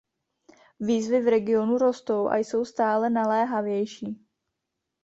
Výzvy v regionu rostou a jsou stále naléhavější.